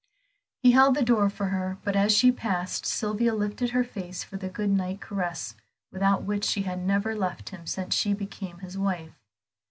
He held the door for her, but as she passed Sylvia lifted her face for the good night caress without which she had never left him since she became his wife.